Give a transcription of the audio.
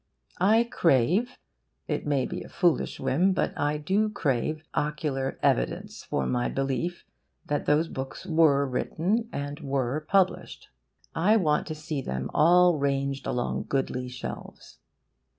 I crave it may be a foolish whim, but I do crave ocular evidence for my belief that those books were written and were published. I want to see them all ranged along goodly shelves.